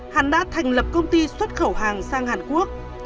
hắn đã thành lập công ty xuất khẩu hàng sang hàn quốc